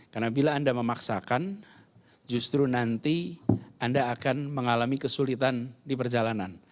karena bila anda memaksakan justru nanti anda akan mengalami kesulitan di perjalanan